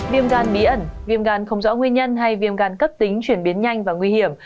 viêm gan bí ẩn viêm gan không rõ nguyên nhân hay viêm gan cấp tính chuyển biến nhanh và nguy hiểm